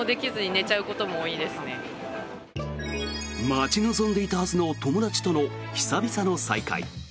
待ち望んでいたはずの友達との久々の再会。